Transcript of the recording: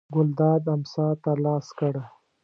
ګلداد امسا ته لاس کړ.